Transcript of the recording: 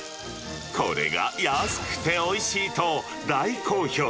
これが安くておいしいと大好評。